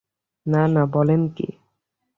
না না, বলেন কী।